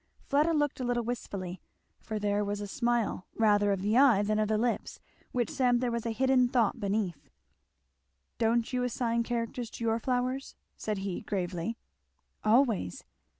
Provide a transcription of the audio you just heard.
Fleda looked a little wistfully, for there was a smile rather of the eye than of the lips which said there was a hidden thought beneath. "Don't you assign characters to your flowers?" said he gravely. "Always!"